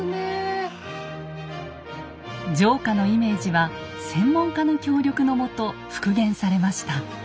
城下のイメージは専門家の協力のもと復元されました。